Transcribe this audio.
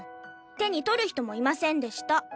手に取る人もいませんでした。